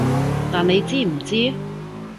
但你知唔知？